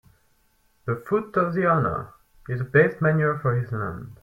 The foot of the owner is the best manure for his land.